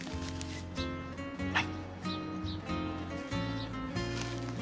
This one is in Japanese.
はい。